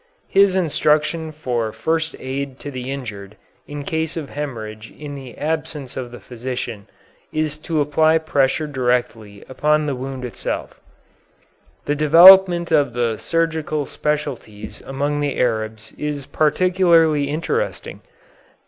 His instruction for first aid to the injured in case of hemorrhage in the absence of the physician, is to apply pressure directly upon the wound itself. The development of the surgical specialties among the Arabs is particularly interesting.